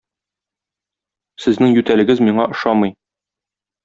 Сезнең ютәлегез миңа ошамый.